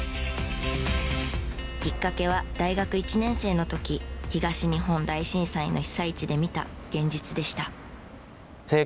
きっかけは大学１年生の時東日本大震災の被災地で見た現実でした。